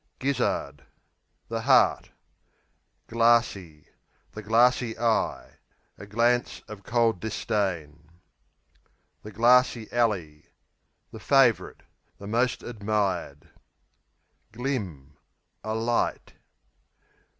Gizzard The heart. Glassey The glassy eye; a glance of cold disdain. The Glassey Alley The favourite; the most admired. Glim A light.